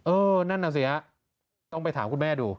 เออนั่นน่ะสิฮะต้องไปถามคุณแม่ดู